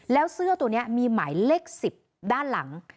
แล้วเสื้อตัวนี้มีหมายเลข๑๐ด้านหลัง